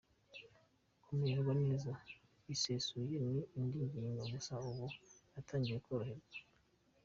Kumererwa neza bisesuye ni indi ngingo gusa ubu natangiye koroherwa.